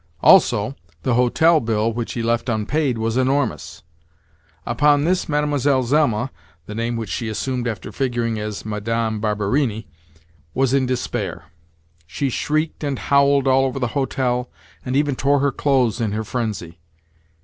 Also, the hotel bill which he left unpaid was enormous. Upon this Mlle. Zelma (the name which she assumed after figuring as Madame Barberini) was in despair. She shrieked and howled all over the hotel, and even tore her clothes in her frenzy.